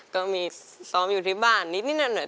ก็มีซ้อมอยู่ที่บ้านก็นิดนึงเนอะ